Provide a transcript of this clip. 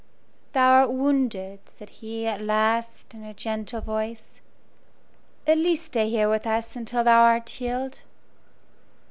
"Thou art wounded," said he, at last, in a gentle voice; "at least stay here with us until thou art healed."